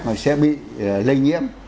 nó sẽ bị lây nhiễm